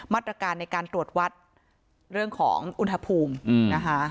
มาตรการในการตรวจวัดเรื่องของอุณหภูมินะคะ